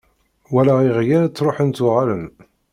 Walaɣ iɣyal ttruḥen ttuɣalen.